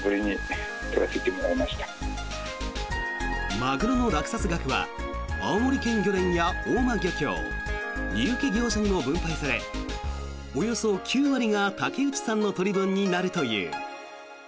マグロの落札額は青森県漁連や大間漁協荷受業者にも分配されおよそ９割が竹内さんの取り分になるという。